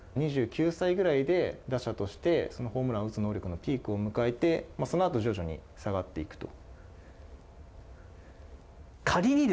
２９歳ぐらいで、打者としてホームラン打つ能力のピークを迎えて、そのあと徐々に下がっていくと。